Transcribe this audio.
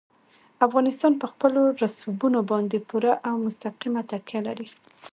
افغانستان په خپلو رسوبونو باندې پوره او مستقیمه تکیه لري.